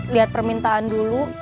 lihat permintaan dulu